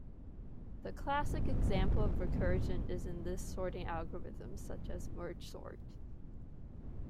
The classic example of recursion is in list-sorting algorithms such as Merge Sort.